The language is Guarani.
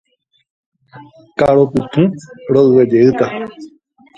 Ka'arupytũ ro'yvejeýta.